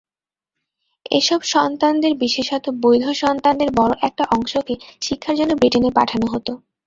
এসব সন্তানদের বিশেষত বৈধ সন্তানদের বড় একটা অংশকে শিক্ষার জন্য ব্রিটেনে পাঠানো হতো।